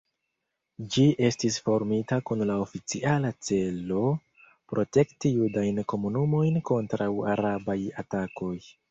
Ĝi estis formita kun la oficiala celo protekti judajn komunumojn kontraŭ arabaj atakoj.